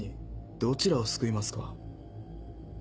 どちらを救いますか？